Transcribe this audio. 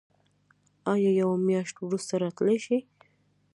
ایا یوه میاشت وروسته راتلی شئ؟